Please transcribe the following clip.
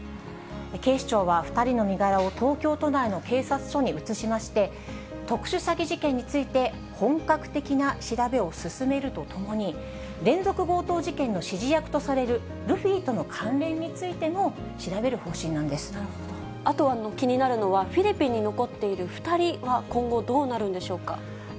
警視庁は、２人の身柄を東京都内の警察署に移しまして、特殊詐欺事件について、本格的な調べを進めるとともに、連続強盗事件の指示役とされるルフィとの関連についても調べる方あと気になるのは、フィリピンに残っている２人は今後、どうなるんでしょうか。